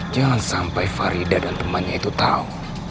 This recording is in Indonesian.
jangan sampai farida dan temannya itu tahu